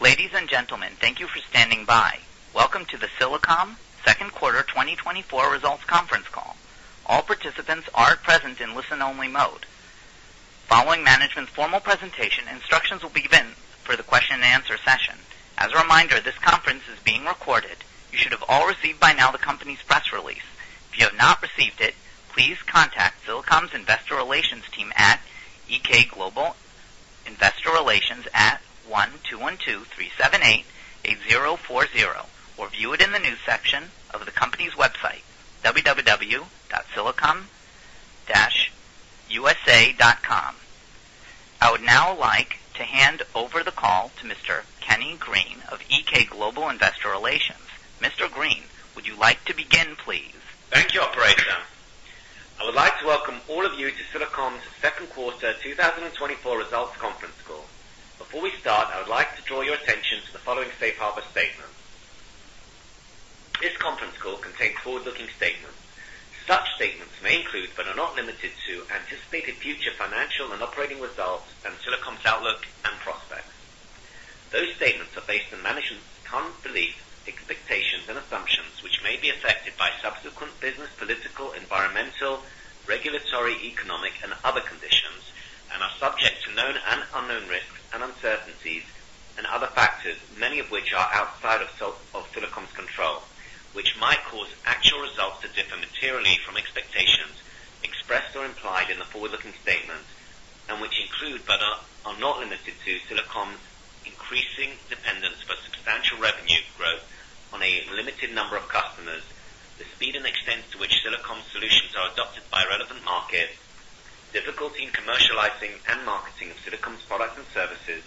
Ladies and gentlemen, thank you for standing by. Welcome to the Silicom Q2 2024 Results Conference Call. All participants are present in listen-only mode. Following management's formal presentation, instructions will begin for the question-and-answer session. As a reminder, this conference is being recorded. You should have all received by now the company's press release. If you have not received it, please contact Silicom's Investor Relations team at EK Global Investor Relations at 1-212-378-8040 or view it in the News section of the company's website, www.silicom-usa.com. I would now like to hand over the call to Mr. Kenny Green of EK Global Investor Relations. Mr. Green, would you like to begin, please? Thank you, Operator. I would like to welcome all of you to Silicom's Q2 2024 Results Conference Call. Before we start, I would like to draw your attention to the following Safe Harbor statement. This conference call contains forward-looking statements. Such statements may include, but are not limited to, anticipated future financial and operating results and Silicom's outlook and prospects. Those statements are based on management's current beliefs, expectations, and assumptions, which may be affected by subsequent business, political, environmental, regulatory, economic, and other conditions, and are subject to known and unknown risks and uncertainties, and other factors, many of which are outside of Silicom's control, which might cause actual results to differ materially from expectations expressed or implied in the forward-looking statement, and which include, but are not limited to, Silicom's increasing dependence for substantial revenue growth on a limited number of customers, the speed and extent to which Silicom solutions are adopted by relevant markets, difficulty in commercializing and marketing of Silicom's products and services,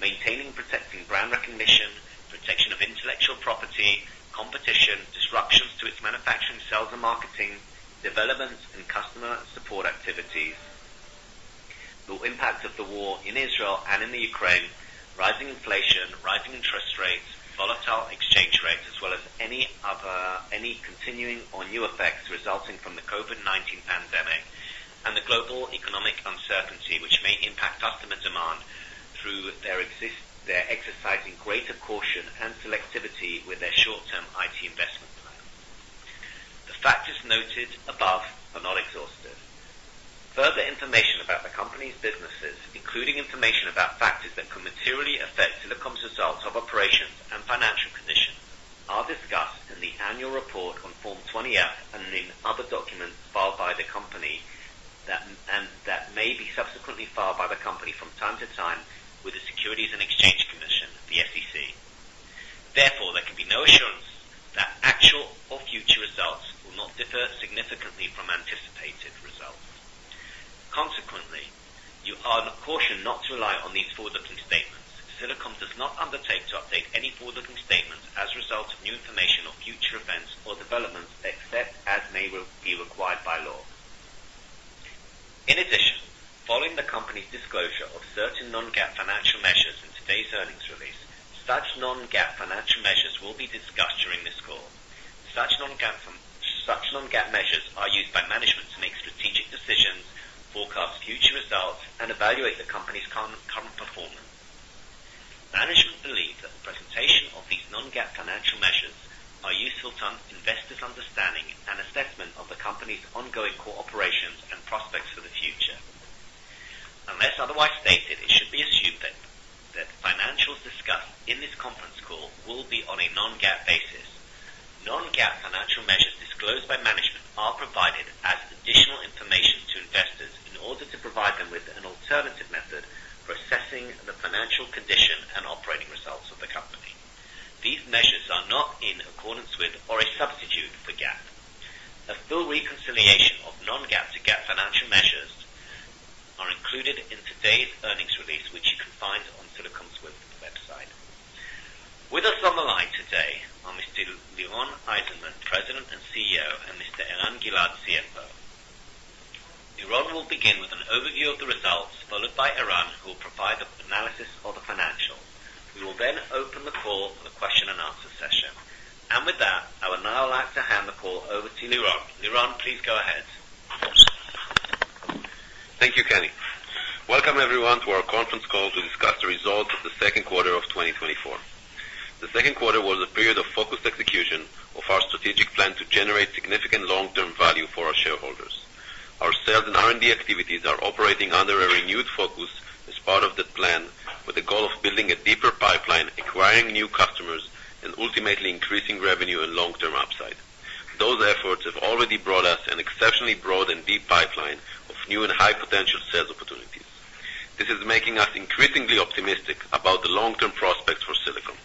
maintaining and protecting brand recognition, protection of intellectual property, competition, disruptions to its manufacturing, sales, and marketing, development, and customer support activities, the impact of the war in Israel and in the Ukraine, rising inflation, rising interest rates, volatile exchange rates, as well as any continuing or new effects resulting from the COVID-19 pandemic, and the global economic uncertainty, which may impact customer demand through their exercising greater caution and selectivity with their short-term IT investment plans. The factors noted above are not exhaustive. Further information about the company's businesses, including information about factors that can materially affect Silicom's results of operations and financial conditions, are discussed in the annual report on Form 20-F and in other documents filed by the company and that may be subsequently filed by the company from time to time with the Securities and Exchange Commission, the SEC. Therefore, there can be no assurance that actual or future results will not differ significantly from anticipated results. Consequently, you are cautioned not to rely on these forward-looking statements. Silicom does not undertake to update any forward-looking statements as a result of new information or future events or developments except as may be required by law. In addition, following the company's disclosure of certain non-GAAP financial measures in today's earnings release, such non-GAAP financial measures will be discussed during this call. Such non-GAAP measures are used by management to make strategic decisions, forecast future results, and evaluate the company's current performance. Management believes that the presentation of these non-GAAP financial measures is useful to investors' understanding and assessment of the company's ongoing core operations and prospects for the future. Unless otherwise stated, it should be assumed that the financials discussed in this conference call will be on a non-GAAP basis. Non-GAAP financial measures disclosed by management are provided as additional information to investors in order to provide them with an alternative method for assessing the financial condition and operating results of the company. These measures are not in accordance with or a substitute for GAAP. A full reconciliation of non-GAAP to GAAP financial measures is included in today's earnings release, which you can find on Silicom's website. With us on the line today are Mr. Liron Eizenman, President and CEO, and Mr. Eran Gilad, CFO. Liron will begin with an overview of the results, followed by Eran, who will provide the analysis of the financials. We will then open the call for the question-and-answer session. With that, I would now like to hand the call over to Liron. Liron, please go ahead. Thank you, Kenny. Welcome, everyone, to our conference call to discuss the results of the Q2 of 2024. The Q2 was a period of focused execution of our strategic plan to generate significant long-term value for our shareholders. Our sales and R&D activities are operating under a renewed focus as part of the plan, with the goal of building a deeper pipeline, acquiring new customers, and ultimately increasing revenue and long-term upside. Those efforts have already brought us an exceptionally broad and deep pipeline of new and high-potential sales opportunities. This is making us increasingly optimistic about the long-term prospects for Silicom.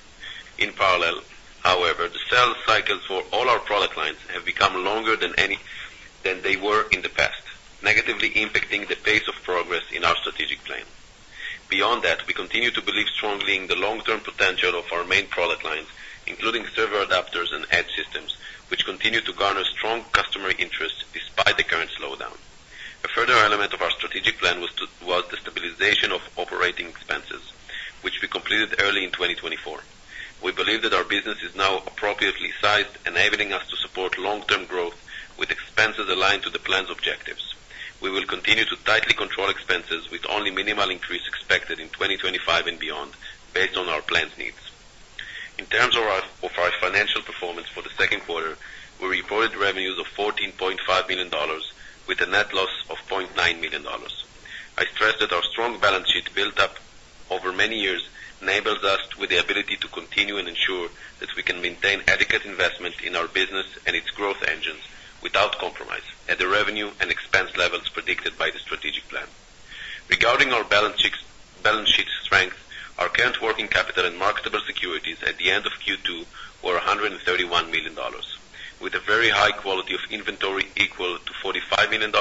In parallel, however, the sales cycles for all our product lines have become longer than they were in the past, negatively impacting the pace of progress in our strategic plan. Beyond that, we continue to believe strongly in the long-term potential of our main product lines, including server adapters and edge systems, which continue to garner strong customer interest despite the current slowdown. A further element of our strategic plan was the stabilization of operating expenses, which we completed early in 2024. We believe that our business is now appropriately sized, enabling us to support long-term growth with expenses aligned to the plan's objectives. We will continue to tightly control expenses with only minimal increase expected in 2025 and beyond, based on our plan's needs. In terms of our financial performance for the Q2, we reported revenues of $14.5 million with a net loss of $0.9 million. I stress that our strong balance sheet built up over many years enables us with the ability to continue and ensure that we can maintain adequate investment in our business and its growth engines without compromise at the revenue and expense levels predicted by the strategic plan. Regarding our balance sheet strength, our current working capital and marketable securities at the end of Q2 were $131 million, with a very high quality of inventory equal to $45 million,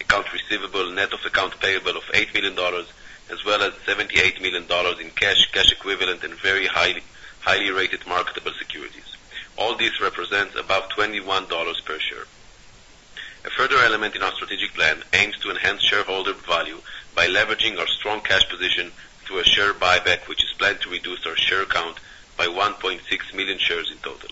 accounts receivable, net of accounts payable of $8 million, as well as $78 million in cash, cash equivalent, and very highly rated marketable securities. All this represents above $21 per share. A further element in our strategic plan aims to enhance shareholder value by leveraging our strong cash position through a share buyback, which is planned to reduce our share count by 1.6 million shares in total.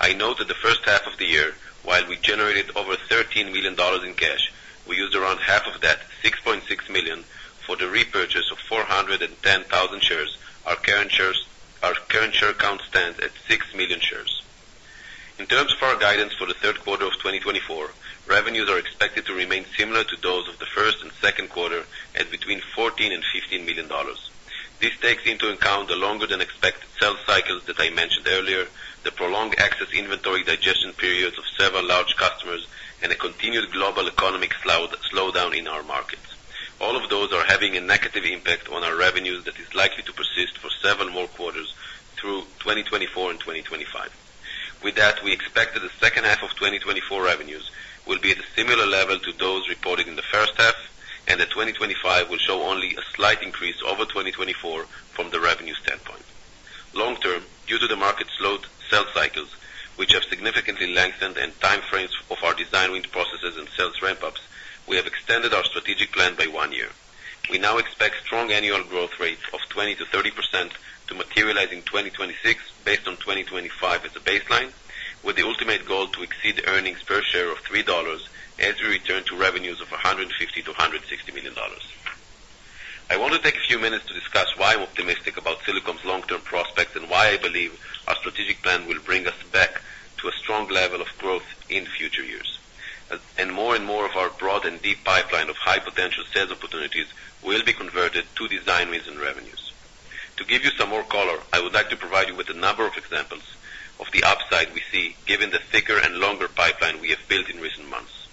I know that the first half of the year, while we generated over $13 million in cash, we used around half of that, $6.6 million, for the repurchase of 410,000 shares. Our current share count stands at 6 million shares. In terms of our guidance for the Q3 of 2024, revenues are expected to remain similar to those of the first and Q2 at between $14-15 million. This takes into account the longer-than-expected sales cycles that I mentioned earlier, the prolonged excess inventory digestion periods of several large customers, and a continued global economic slowdown in our markets. All of those are having a negative impact on our revenues that is likely to persist for several more quarters through 2024 and 2025. With that, we expect that the second half of 2024 revenues will be at a similar level to those reported in the first half, and that 2025 will show only a slight increase over 2024 from the revenue standpoint. Long-term, due to the market's slowed sales cycles, which have significantly lengthened and time frames of our design win processes and sales ramp-ups, we have extended our strategic plan by one year. We now expect strong annual growth rates of 20%-30% to materialize in 2026 based on 2025 as a baseline, with the ultimate goal to exceed earnings per share of $3 as we return to revenues of $150-160 million. I want to take a few minutes to discuss why I'm optimistic about Silicom's long-term prospects and why I believe our strategic plan will bring us back to a strong level of growth in future years, and more and more of our broad and deep pipeline of high-potential sales opportunities will be converted to design wins and revenues. To give you some more color, I would like to provide you with a number of examples of the upside we see given the thicker and longer pipeline we have built in recent months,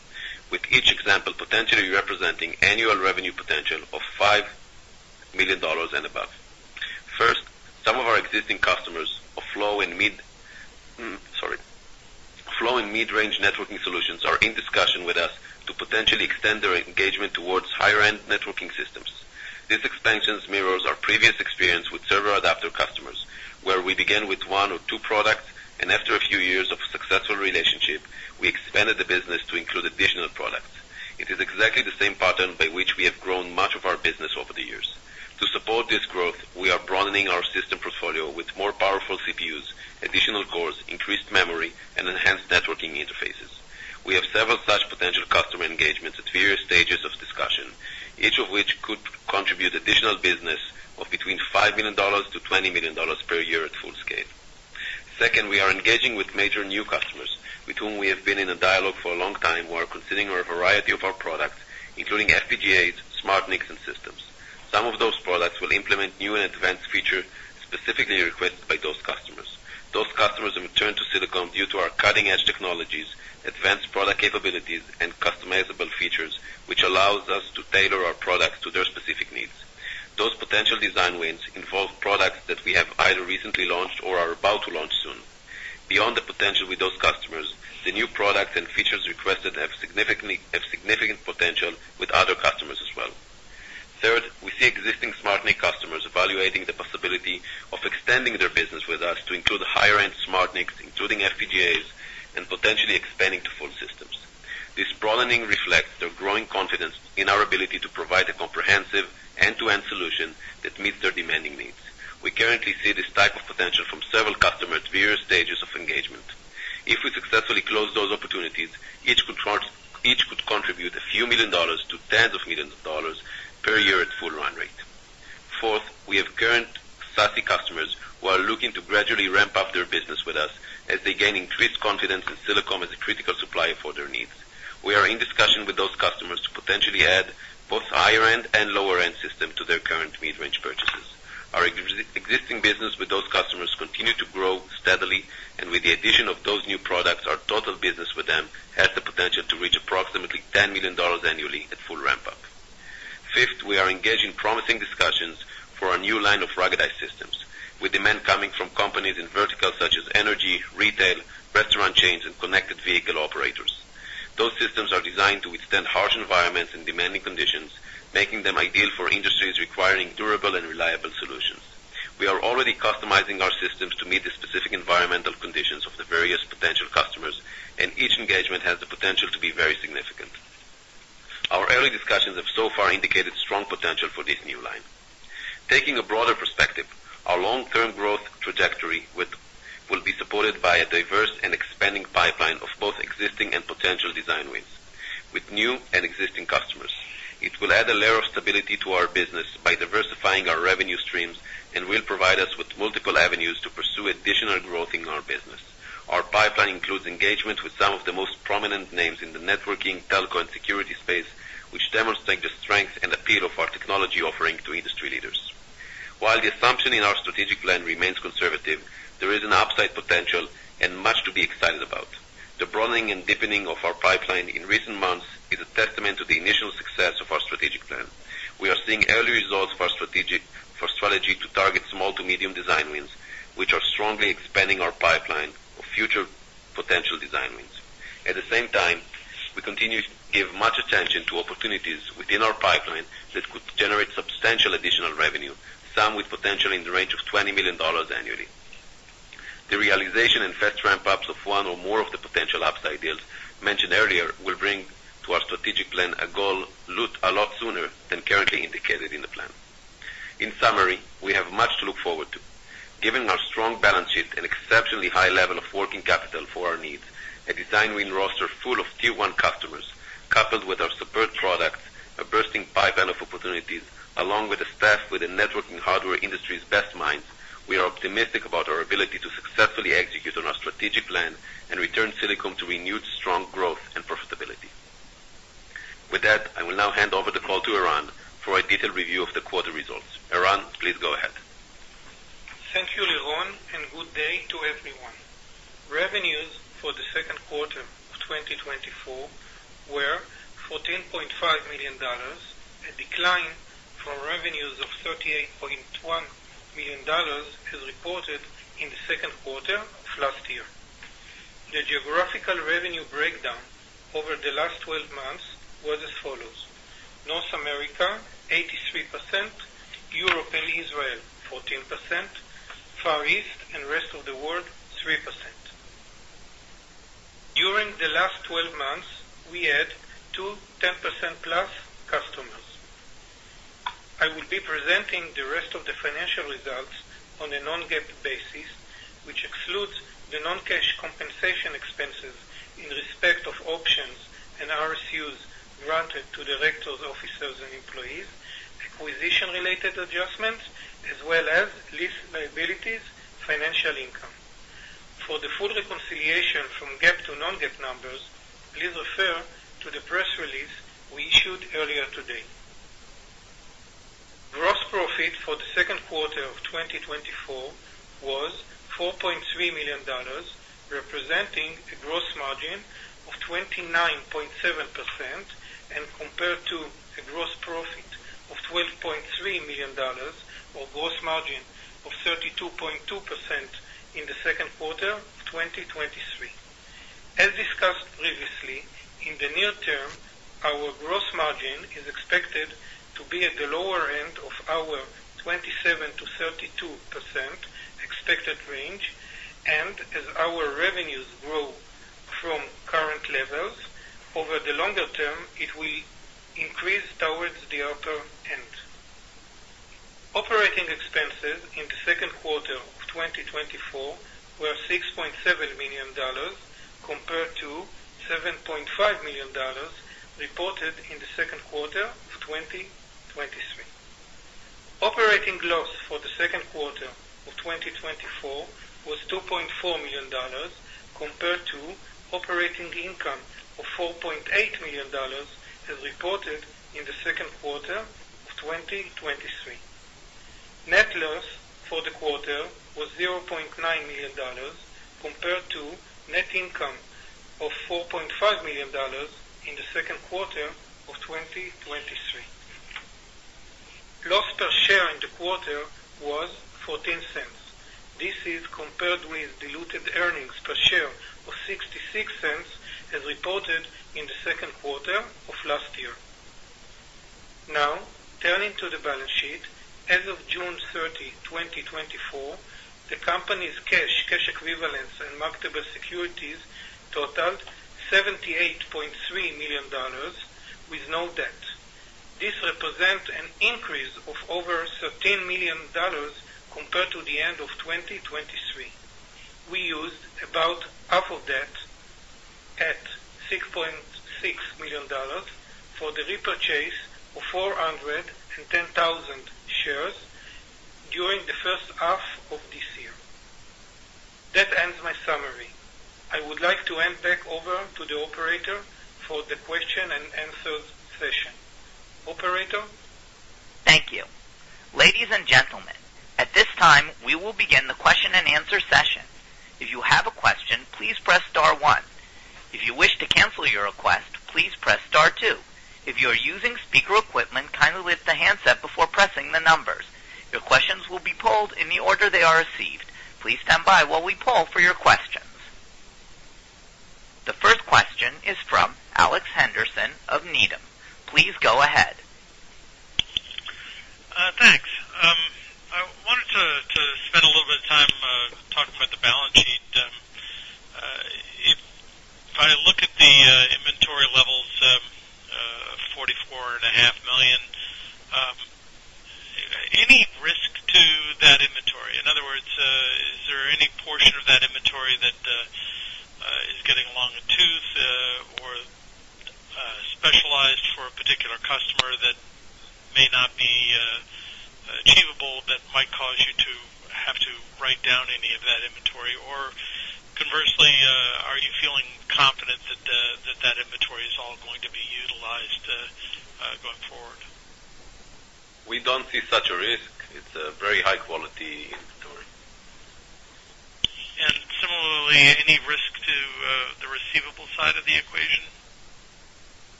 with each example potentially representing annual revenue potential of $5 million and above. First, some of our existing customers of low and mid-range networking solutions are in discussion with us to potentially extend their engagement towards higher-end networking systems. This expansion mirrors our previous experience with server adapter customers, where we began with one or two products, and after a few years Beyond the potential with those customers, the new products and features requested have significant potential with other customers as well. Third, we see existing SmartNIC customers evaluating the possibility of extending their business with us to include higher-end SmartNICs, including FPGAs, and potentially expanding to full systems. This broadening reflects their growing confidence in our ability to provide a comprehensive end-to-end solution that meets their demanding needs. We currently see this type of potential from several customers at various stages of engagement. If we successfully close those opportunities, each could contribute a few million dollars to tens of million dollars per year at full run rate. Fourth, we have current SASE customers who are looking to gradually ramp up their business with us as they gain increased confidence in Silicom as a critical supplier for their needs. We are in discussion with those customers to potentially add both higher-end and lower-end systems to their current mid-range purchases. Our existing business with those customers continues to grow steadily, and with the addition of those new products, our total business with them has the potential to reach approximately $10 million annually at full ramp-up. Fifth, we are engaged in promising discussions for a new line of ruggedized systems, with demand coming from companies in verticals such as energy, retail, restaurant chains, and connected vehicle operators. Those systems are designed to withstand harsh environments and demanding conditions, making them ideal for industries requiring durable and reliable solutions. We are already customizing our systems to meet the specific environmental conditions of the various potential customers, and each engagement has the potential to be very significant. Our early discussions have so far indicated strong potential for this new line. Taking a broader perspective, our long-term growth trajectory will be supported by a diverse and expanding pipeline of both existing and potential design wins with new and existing customers. It will add a layer of stability to our business by diversifying our revenue streams and will provide us with multiple avenues to pursue additional growth in our business. Our pipeline includes engagements with some of the most prominent names in the networking, telco, and security space, which demonstrate the strength and appeal of our technology offering to industry leaders. While the assumption in our strategic plan remains conservative, there is an upside potential and much to be excited about. The broadening and deepening of our pipeline in recent months is a testament to the initial success of our strategic plan. We are seeing early results of our strategy to target small to medium design wins, which are strongly expanding our pipeline of future potential design wins. At the same time, we continue to give much attention to opportunities within our pipeline that could generate substantial additional revenue, some with potential in the range of $20 million annually. The realization and fast ramp-ups of one or more of the potential upside deals mentioned earlier will bring to our strategic plan a goal a lot sooner than currently indicated in the plan. In summary, we have much to look forward to. Given our strong balance sheet and exceptionally high level of working capital for our needs, a design win roster full of tier-one customers coupled with our superb products, a bursting pipeline of opportunities, along with a staff with the networking hardware industry's best minds, we are optimistic about our ability to successfully execute on our strategic plan and return Silicom to renewed strong growth and profitability. With that, I will now hand over the call to Eran for a detailed review of the quarter results. Eran, please go ahead. Thank you, Liron, and good day to everyone. Revenues for the Q2 of 2024 were $14.5 million, a decline from revenues of $38.1 million as reported in the Q2 of last year. The geographical revenue breakdown over the last 12 months was as follows: North America 83%, Europe and Israel 14%, Far East and rest of the world 3%. During the last 12 months, we had 10% plus customers. I will be presenting the rest of the financial results on a non-GAAP basis, which excludes the non-cash compensation expenses in respect of options and RSUs granted to directors, officers, and employees, acquisition-related adjustments, as well as lease liabilities, financial income. For the full reconciliation from GAAP to non-GAAP numbers, please refer to the press release we issued earlier today. Gross profit for the Q2 of 2024 was $4.3 million, representing a gross margin of 29.7% and compared to a gross profit of $12.3 million or gross margin of 32.2% in the Q2 of 2023. As discussed previously, in the near term, our gross margin is expected to be at the lower end of our 27%-32% expected range, and as our revenues grow from current levels, over the longer term, it will increase towards the upper end. Operating expenses in the Q2 of 2024 were $6.7 million compared to $7.5 million reported in the Q2 of 2023. Operating loss for the Q2 of 2024 was $2.4 million compared to operating income of $4.8 million as reported in the Q2 of 2023. Net loss for the quarter was $0.9 million compared to net income of $4.5 million in the Q2 of 2023. Loss per share in the quarter was $0.14. This is compared with diluted earnings per share of $0.66 as reported in the Q2 of last year. Now, turning to the balance sheet, as of June 30, 2024, the company's cash, cash equivalents, and marketable securities totaled $78.3 million with no debt. This represents an increase of over $13 million compared to the end of 2023. We used about half of that at $6.6 million for the repurchase of 410,000 shares during the first half of this year. That ends my summary. I would like to hand back over to the operator for the question-and-answer session. Operator. Thank you. Ladies and gentlemen, at this time, we will begin the question and answer session. If you have a question, please press star one. If you wish to cancel your request, please press star two. If you are using speaker equipment, kindly lift the handset before pressing the numbers. Your questions will be polled in the order they are received. Please stand by while we poll for your questions. The first question is from Alex Henderson of Needham. Please go ahead.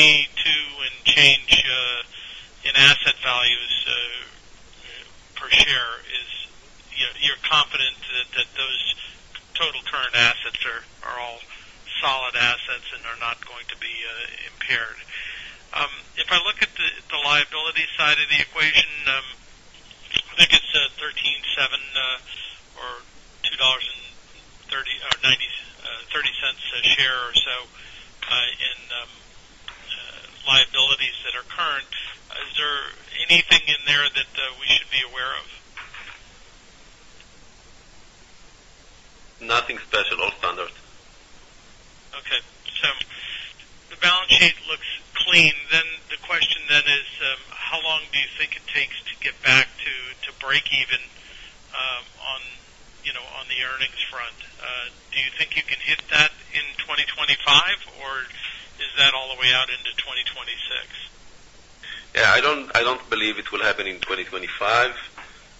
Thanks. I wanted to spend a little bit of time talking about the balance sheet. If I look at the inventory levels, $44.5 million, any risk to that inventory? In other words, is there any portion of that inventory that is getting long in the tooth or specialized for a particular customer that may not be achievable that might cause you to have to write down any of that inventory? Or conversely, are you feeling confident that that inventory is all going to be utilized going forward? We don't see such a risk. It's a very high-quality inventory. Similarly, any risk to the receivable side of the equation? No. So essentially, $22 and change in asset values per share, you're confident that those total current assets are all solid assets and are not going to be impaired. If I look at the liability side of the equation, I think it's $13.7 or $2.30 a share or so in liabilities that are current. Is there anything in there that we should be aware of? Nothing special. All standard. Okay. So the balance sheet looks clean. Then the question then is, how long do you think it takes to get back to break even on the earnings front? Do you think you can hit that in 2025, or is that all the way out into 2026? Yeah. I don't believe it will happen in 2025.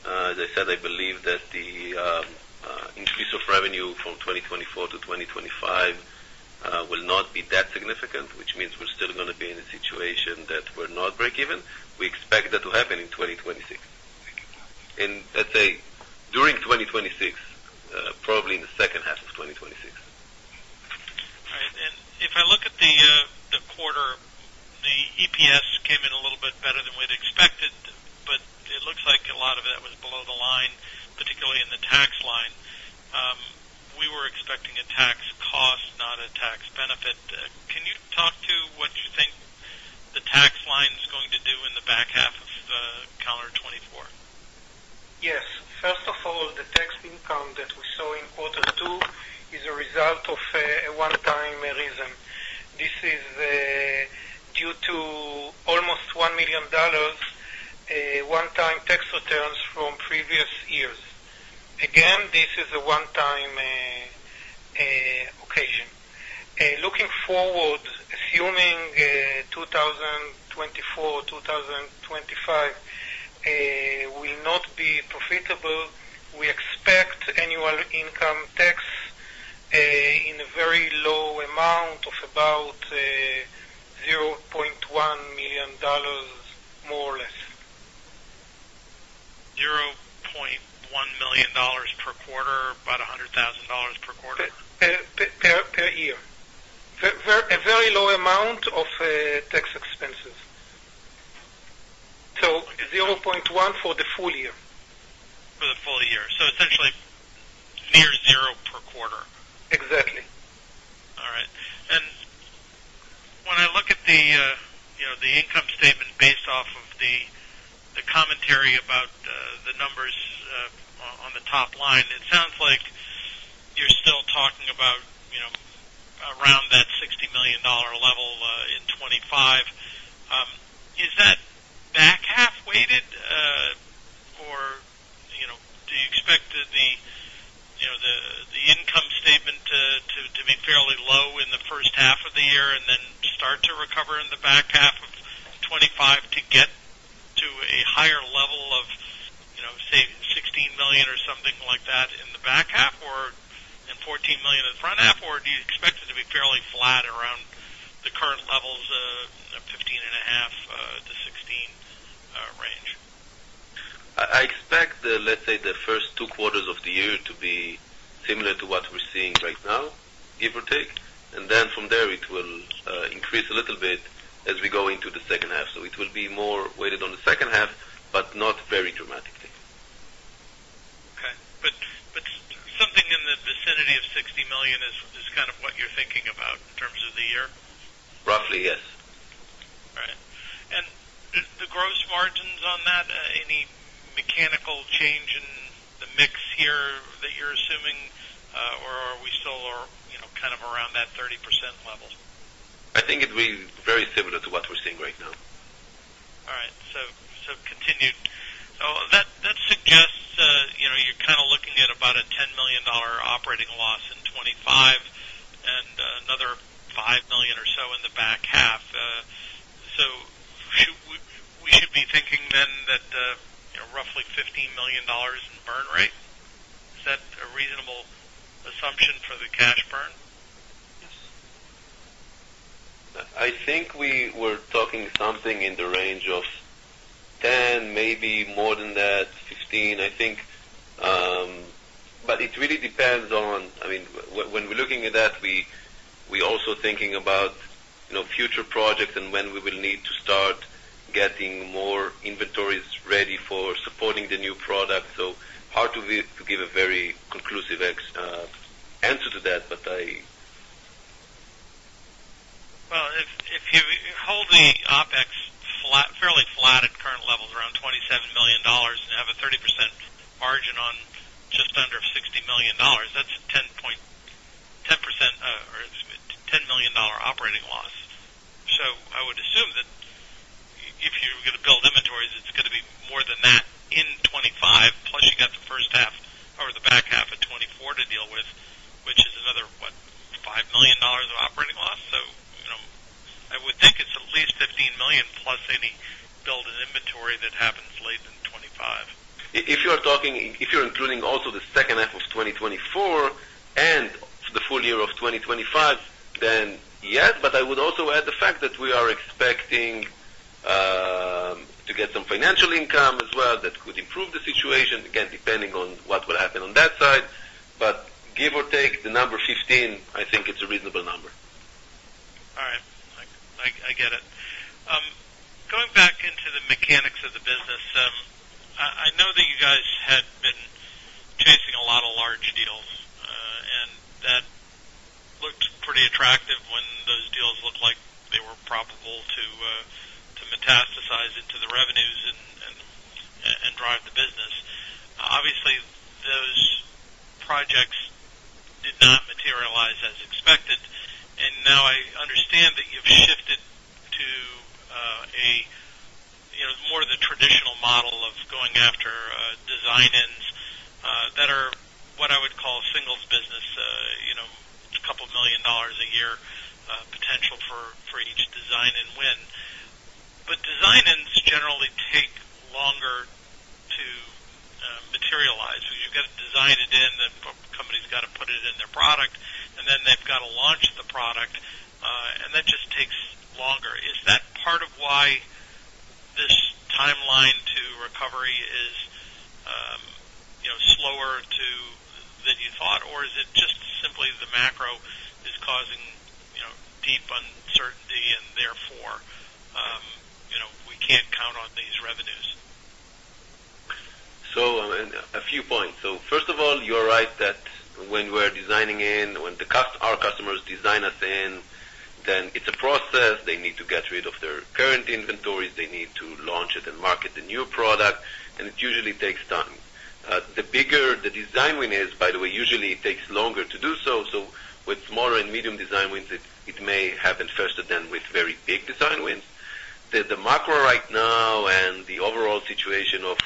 As I said, I believe that the increase of revenue from 2024 to 2025 will not be that significant, which means we're still going to be in a situation that we're not break even. We expect that to happen in 2026. I'd say during 2026, probably in the second half of 2026. All right. And if I look at the quarter, the EPS came in a little bit better than we'd expected, but it looks like a lot of that was below the line, particularly in the tax line. We were expecting a tax cost, not a tax benefit. Can you talk to what you think the tax line is going to do in the back half of calendar 2024? Yes. First of all, the tax income that we saw in quarter two is a result of a one-time reason. This is due to almost $1 million, one-time tax returns from previous years. Again, this is a one-time occasion. Looking forward, assuming 2024 or 2025 will not be profitable, we expect annual income tax in a very low amount of about $0.1 million, more or less. $0.1 million per quarter, about $100,000 per quarter? Per year. A very low amount of tax expenses. So $0.1 for the full year. For the full year. So essentially, near zero per quarter. Exactly. All right. When I look at the income statement based off of the commentary about the numbers on the top line, it sounds like you're still talking about around that $60 million level in 2025. Is that back half weighted, or do you expect the income statement to be fairly low in the first half of the year and then start to recover in the back half of 2025 to get to a higher level of, say, $16 million or something like that in the back half, or $14 million in the front half, or do you expect it to be fairly flat around the current levels of $15.5-$16 million range? I expect, let's say, the first two quarters of the year to be similar to what we're seeing right now, give or take. Then from there, it will increase a little bit as we go into the second half. It will be more weighted on the second half, but not very dramatically. Okay. But something in the vicinity of $60 million is kind of what you're thinking about in terms of the year? Roughly, yes. All right. And the gross margins on that, any mechanical change in the mix here that you're assuming, or are we still kind of around that 30% level? I think it will be very similar to what we're seeing right now. All right. So continued. So that suggests you're kind of looking at about a $10 million operating loss in 2025 and another $5 million or so in the back half. So we should be thinking then that roughly $15 million in burn rate. Is that a reasonable assumption for the cash burn? Yes. I think we were talking something in the range of 10, maybe more than that, 15, I think. But it really depends on, I mean, when we're looking at that, we're also thinking about future projects and when we will need to start getting more inventories ready for supporting the new product. So hard to give a very conclusive answer to that, but I— Well, if you hold the OpEx fairly flat at current levels, around $27 million, and have a 30% margin on just under $60 million, that's a 10% or excuse me, $10 million operating loss. So I would assume that if you're going to build inventories, it's going to be more than that in 2025, plus you got the first half or the back half of 2024 to deal with, which is another, what, $5 million of operating loss? So I would think it's at least $15 million plus any build-in inventory that happens late in 2025. If you're including also the second half of 2024 and the full year of 2025, then yes. But I would also add the fact that we are expecting to get some financial income as well that could improve the situation, again, depending on what will happen on that side. But give or take, the number 15, I think it's a reasonable number. All right. I get it. Going back into the mechanics of the business, I know that you guys had been chasing a lot of large deals, and that looked pretty attractive when those deals looked like they were probable to metastasize into the revenues and drive the business. Obviously, those projects did not materialize as expected. And now I understand that you've shifted to more of the traditional model of going after design wins that are what I would call singles business, $2 million a year potential for each design win. But design wins generally take longer to materialize. You've got to design it in, the company's got to put it in their product, and then they've got to launch the product, and that just takes longer. Is that part of why this timeline to recovery is slower than you thought, or is it just simply the macro is causing deep uncertainty and therefore we can't count on these revenues? So a few points. So first of all, you're right that when we're designing in, when our customers design us in, then it's a process. They need to get rid of their current inventories. They need to launch it and market the new product. And it usually takes time. The bigger the design win is, by the way, usually it takes longer to do so. So with smaller and medium design wins, it may happen faster than with very big design wins. The macro right now and the overall situation of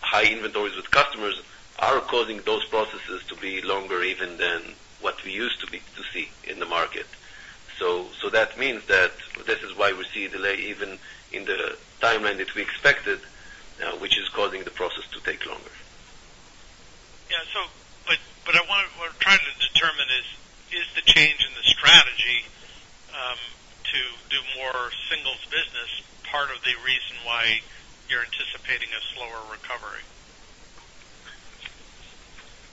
high inventories with customers are causing those processes to be longer even than what we used to see in the market. So that means that this is why we see a delay even in the timeline that we expected, which is causing the process to take longer. Yeah. But what I'm trying to determine is, is the change in the strategy to do more singles business part of the reason why you're anticipating a slower recovery?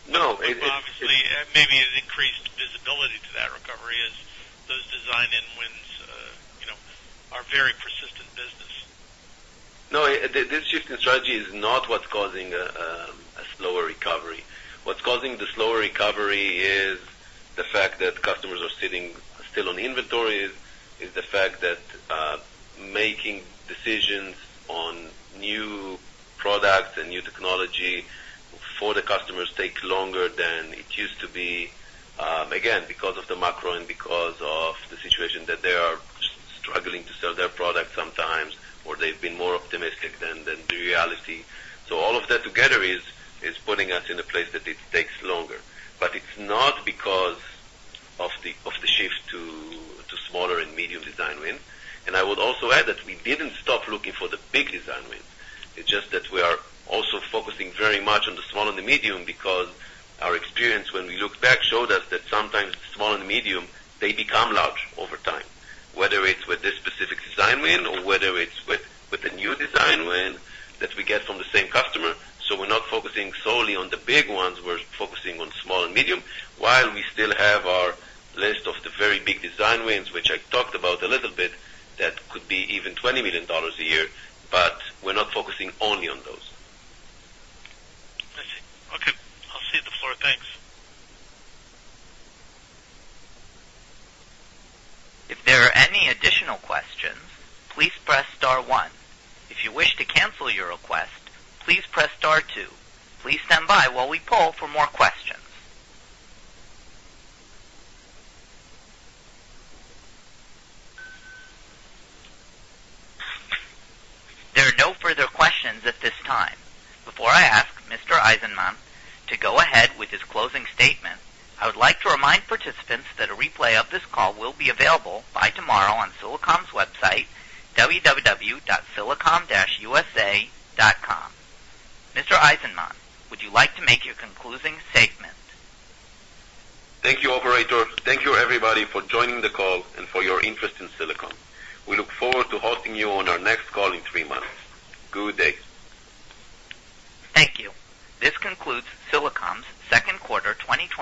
No. Obviously, maybe an increased visibility to that recovery as those design wins are very persistent business. No. This shift in strategy is not what's causing a slower recovery. What's causing the slower recovery is the fact that customers are sitting still on inventories, is the fact that making decisions on new products and new technology for the customers takes longer than it used to be, again, because of the macro and because of the situation that they are struggling to sell their product sometimes, or they've been more optimistic than the reality. So all of that together is putting us in a place that it takes longer. But it's not because of the shift to smaller and medium design wins. And I would also add that we didn't stop looking for the big design wins. It's just that we are also focusing very much on the small and the medium because our experience when we looked back showed us that sometimes the small and medium, they become large over time, whether it's with this specific design win or whether it's with a new design win that we get from the same customer. So we're not focusing solely on the big ones. We're focusing on small and medium while we still have our list of the very big design wins, which I talked about a little bit, that could be even $20 million a year, but we're not focusing only on those. I see. Okay. I'll cede the floor. Thanks. If there are any additional questions, please press star one. If you wish to cancel your request, please press star two. Please stand by while we pull for more questions. There are no further questions at this time. Before I ask Mr. Eizenman to go ahead with his closing statement, I would like to remind participants that a replay of this call will be available by tomorrow on Silicom's website, www.silicom-usa.com. Mr. Eizenman, would you like to make your concluding statement? Thank you, Operator. Thank you, everybody, for joining the call and for your interest in Silicom. We look forward to hosting you on our next call in three months. Good day. Thank you. This concludes Silicom's Q2—